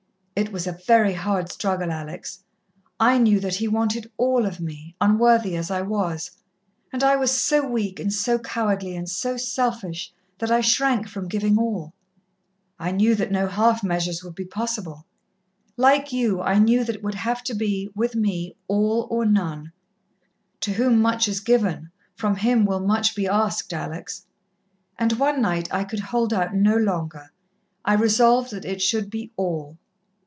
It was a very hard struggle, Alex. I knew that he wanted all of me, unworthy as I was. And I was so weak and so cowardly and so selfish that I shrank from giving all. I knew that no half measures would be possible. Like you, I knew that it would have to be, with me, all or none to whom much is given, from him will much be asked, Alex and one night I could hold out no longer. I resolved that it should be all.